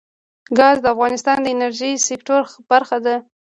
ګاز د افغانستان د انرژۍ سکتور برخه ده.